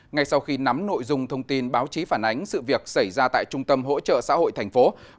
ngay sau khi nắm nội dung thông tin báo chí phản ánh sự việc xảy ra tại trung tâm hỗ trợ xã hội thành phố